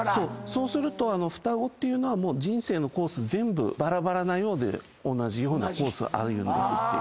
そうすると双子というのは人生のコース全部バラバラなようで同じようなコース歩んでるっていう。